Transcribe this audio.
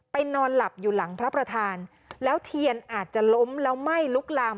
นอนหลับอยู่หลังพระประธานแล้วเทียนอาจจะล้มแล้วไหม้ลุกลาม